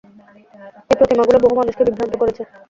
এ প্রতিমাগুলো বহু মানুষকে বিভ্রান্ত করেছে।